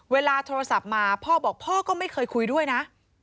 เวลาโทรศัพท์มาพ่อบอกพ่อก็ไม่เคยคุยด้วยนะ